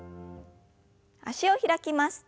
脚を開きます。